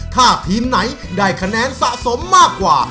ถ้าทีมไหนได้คะแนนสะสมมากกว่า